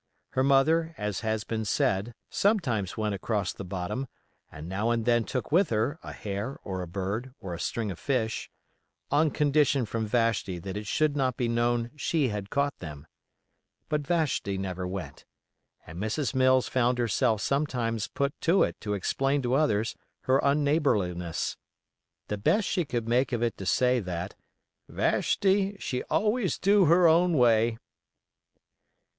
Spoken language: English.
Her mother, as has been said, sometimes went across the bottom, and now and then took with her a hare or a bird or a string of fish—on condition from Vashti that it should not be known she had caught them; but Vashti never went, and Mrs. Mills found herself sometimes put to it to explain to others her unneighborliness. The best she could make of it to say that "Vashti, she always DO do her own way."